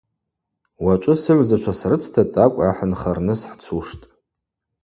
Уачӏвы сыгӏвзачва срыцта тӏакӏв гӏахӏынхарныс хӏцуштӏ.